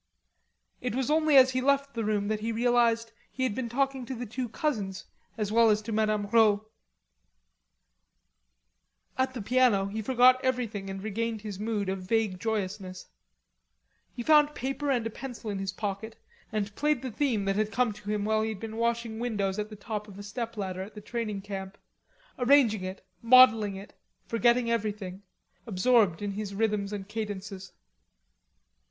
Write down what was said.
It was only as he left the room that he realized he had been talking to the two cousins as well as to Madame Rod. At the piano he forgot everything and regained his mood of vague joyousness. He found paper and a pencil in his pocket, and played the theme that had come to him while he had been washing windows at the top: of a step ladder at training camp arranging it, modelling it, forgetting everything, absorbed in his rhythms and cadences.